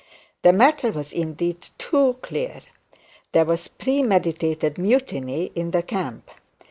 The matter was indeed too clear. There was premeditated mutiny in the camp.